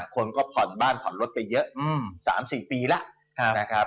คนก็ผ่อนบ้านผ่อนรถไปเยอะ๓๔ปีแล้วนะครับ